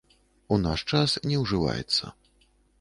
У наш час не ўжываецца.